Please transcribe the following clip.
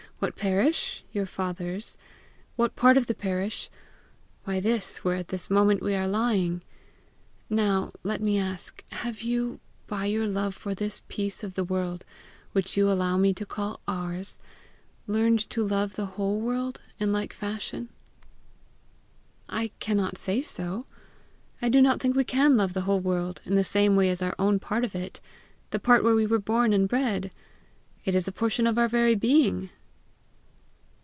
What parish? Your father's. What part of the parish? Why this, where at this moment we are lying. Now let me ask, have you, by your love for this piece of the world, which you will allow me to call ours, learned to love the whole world in like fashion?" "I cannot say so. I do not think we can love the whole world in the same way as our own part of it the part where we were born and bred! It is a portion of our very being."